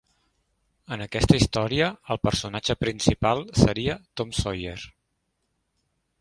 En aquesta història, el personatge principal seria Tom Sawyer.